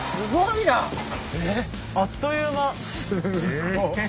すごいな！